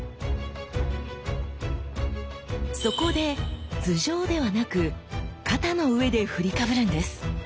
そこで頭上ではなく肩の上で振りかぶるんです。